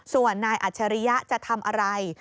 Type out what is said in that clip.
ส่วนนายอัจฉริยะจะทำอะไร